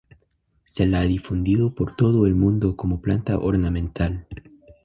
Se la ha difundido por todo el mundo como planta ornamental.